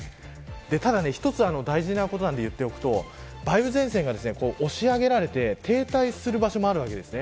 ただ一つ大事なことを言っておくと梅雨前線が押し上げられて停滞する場所もあります。